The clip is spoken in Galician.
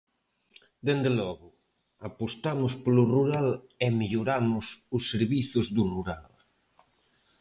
Dende logo, apostamos polo rural e melloramos os servizos do rural.